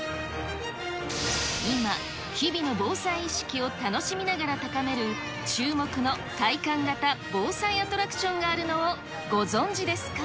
今、日々の防災意識を楽しみながら高める、注目の体感型防災アトラクションがあるのをご存じですか。